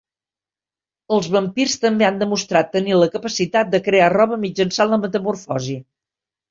Els vampirs també han demostrat tenir la capacitat de crear roba mitjançant la metamorfosi.